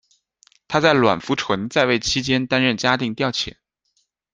他在阮福淳在位期间担任嘉定调遣。